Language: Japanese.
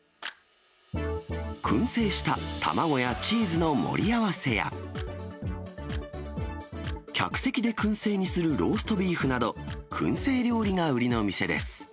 くん製した卵やチーズの盛り合わせや、客席でくん製にするローストビーフなど、くん製料理が売りの店です。